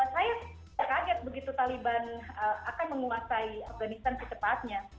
saya kaget begitu taliban akan menguasai afghanistan kecepatnya